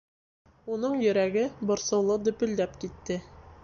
Уның йөрәге борсоулы дөпөлдәп китте.